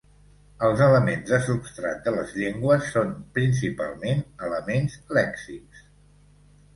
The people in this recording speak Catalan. Els elements de substrat de les llengües són principalment elements lèxics.